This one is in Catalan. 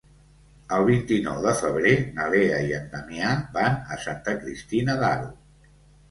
El vint-i-nou de febrer na Lea i en Damià van a Santa Cristina d'Aro.